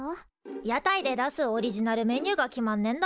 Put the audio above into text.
屋台で出すオリジナルメニューが決まんねんだ。